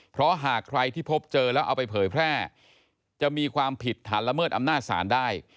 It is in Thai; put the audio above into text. เพราะหากใครที่พบเจอแล้วเอาไปเผยแพร่จะมีความผิดฐานละเมิดอำนาจศาลได้